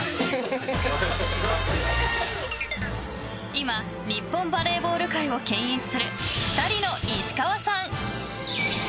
今、日本バレーボール界を牽引する２人の石川さん。